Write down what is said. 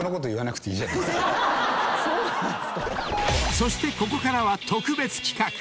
［そしてここからは特別企画］